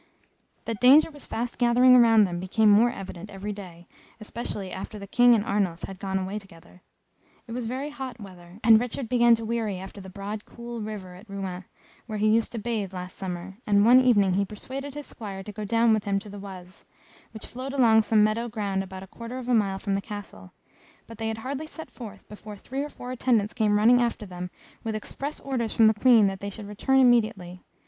That danger was fast gathering around them became more evident every day, especially after the King and Arnulf had gone away together. It was very hot weather, and Richard began to weary after the broad cool river at Rouen, where he used to bathe last summer; and one evening he persuaded his Squire to go down with him to the Oise, which flowed along some meadow ground about a quarter of a mile from the Castle; but they had hardly set forth before three or four attendants came running after them, with express orders from the Queen that they should return immediately.